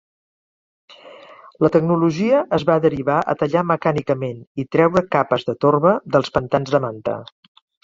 La tecnologia es va derivar a tallar mecànicament i treure capes de torba dels pantans de manta.